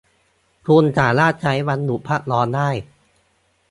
คุณสามารถใช้วันหยุดพักร้อนได้